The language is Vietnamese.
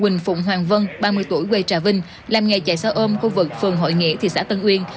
huỳnh phụng hoàng vân ba mươi tuổi quê trà vinh làm nghề chạy xe ôm khu vực phường hội nghĩa thị xã tân uyên